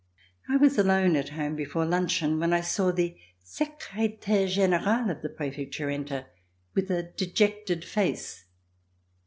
I was alone at home before luncheon when I saw the secretaire general of the Prefecture enter with a dejected face.